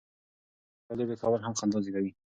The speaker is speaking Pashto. ماشومانو سره لوبې کول هم خندا زیږوي.